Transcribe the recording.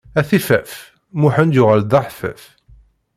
A tiffaf, Muḥend yuɣal d aḥeffaf!